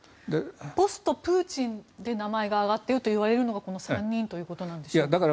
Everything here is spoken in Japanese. ポストプーチンで名前が挙がっているといわれるのがこの３人ということなんでしょうか？